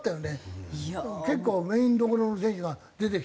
結構メインどころの選手が出てきたから。